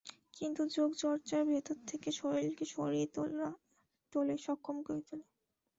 কিন্তু যোগ চর্চা ভেতর থেকে শরীরকে সারিয়ে তোলে, সক্ষম করে তোলে।